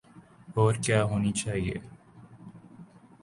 اور کیا ہونی چاہیے۔